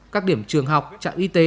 các điểm trường học trạng y tế